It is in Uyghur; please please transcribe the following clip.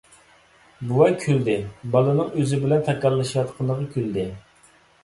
بوۋاي كۈلدى، بالىنىڭ ئۆزى بىلەن تاكاللىشىۋاتقىنىغا كۈلدى.